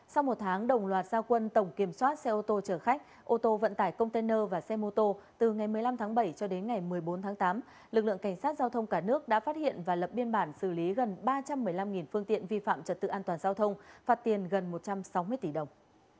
sau một tháng đồng loạt giao quân tổng kiểm soát xe ô tô chở khách ô tô vận tải container và xe mô tô từ ngày một mươi năm tháng bảy cho đến ngày một mươi bốn tháng tám lực lượng cảnh sát giao thông cả nước đã phát hiện và lập biên bản xử lý gần ba trăm một mươi năm phương tiện vi phạm trật tự an toàn giao thông phạt tiền gần một trăm sáu mươi tỷ đồng